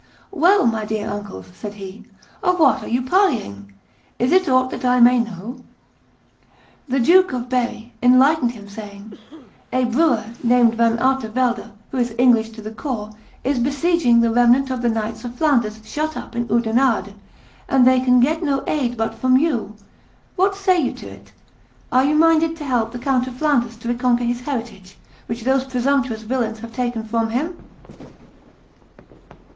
"Well! my dear uncles," said he, "of what are you parleying? Is it aught that I may know?" The Duke of Berry enlightened him, saying, "A brewer, named Van Artevelde, who is English to the core, is besieging the remnant of the knights of Flanders shut up in Oudenarde; and they can get no aid but from you. What say you to it? Are you minded to help the Count of Flanders to reconquer his heritage, which those presumptuous villains have taken from him?"